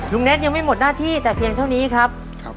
เน็ตยังไม่หมดหน้าที่แต่เพียงเท่านี้ครับ